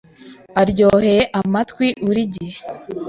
aryoheye amatwi buri gihe